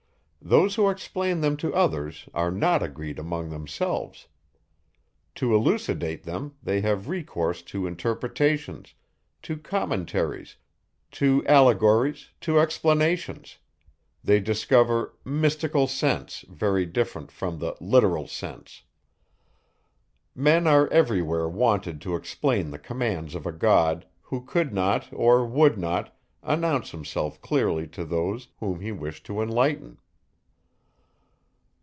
Those who explain them to others are not agreed among themselves. To elucidate them, they have recourse to interpretations, to commentaries, to allegories, to explanations: they discover mystical sense very different from the literal sense. Men are every where wanted to explain the commands of a God, who could not, or would not, announce himself clearly to those, whom he wished to enlighten.